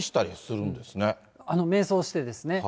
迷走してですね。